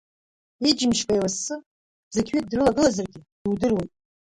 Иџьымшьқәа еилассы, зықьҩык дрылагылазаргьы дудыруеит.